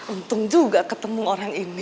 untung juga ketemu orang ini